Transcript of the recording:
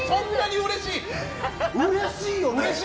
うれしいよね！